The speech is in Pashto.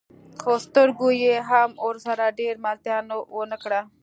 خو سترګو يې هم ورسره ډېره ملتيا ونه کړه.